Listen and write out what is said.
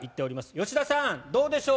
吉田さん、どうでしょう。